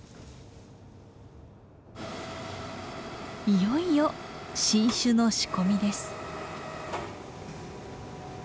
いよいよ新酒の仕込みです。